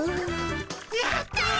やったよ。